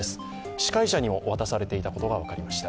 司会者にも渡されていたことが分かりました。